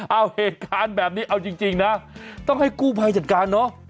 เอาเหตุการณ์แบบนี้เอาจริงนะต้องให้กู้ภัยจัดการเนอะ